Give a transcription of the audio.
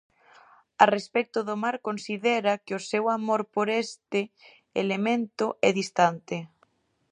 A respecto do mar considera que o seu amor por este elemento é distante.